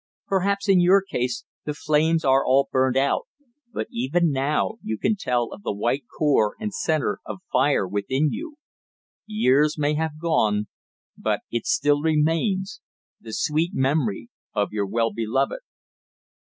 Perhaps, in your case, the flames are all burnt out, but even now you can tell of the white core and centre of fire within you. Years may have gone, but it still remains the sweet memory of your well beloved.